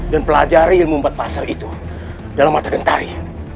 dan pelajari ilmu empat pasal itu dalam mata gentari